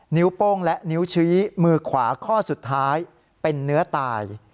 โป้งและนิ้วชี้มือขวาข้อสุดท้ายเป็นเนื้อตาย